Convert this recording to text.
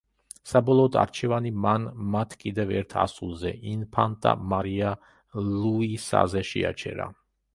საბოლოოდ არჩევანი მან მათ კიდევ ერთ ასულზე, ინფანტა მარია ლუისაზე შეაჩერა.